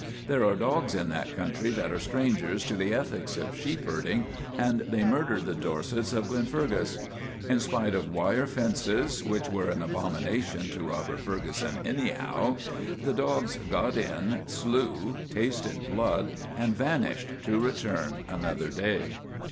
There are dogs in that country that are strangers to the ethics of sheep herding, and they murdered the Dorsets of Glenfergus. In spite of wire fences, which were an abomination to Robert Ferguson any 29 30 THE TWA DOGS O' GLEXFERGUS how. the dogs got in. slew, tasted blood, and van ished to return another day.